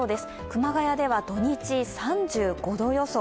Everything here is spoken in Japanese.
熊谷では土日、３５度予想。